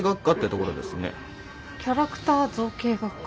キャラクター造形学科。